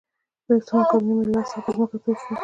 یو څه مکروني مې له لاس څخه پر مځکه توی شول.